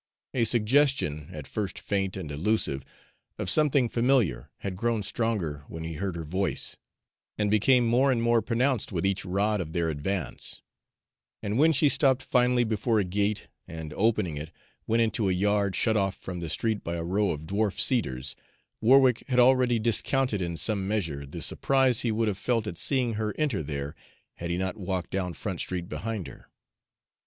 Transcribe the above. A suggestion, at first faint and elusive, of something familiar, had grown stronger when he heard her voice, and became more and more pronounced with each rod of their advance; and when she stopped finally before a gate, and, opening it, went into a yard shut off from the street by a row of dwarf cedars, Warwick had already discounted in some measure the surprise he would have felt at seeing her enter there had he not walked down Front Street behind her.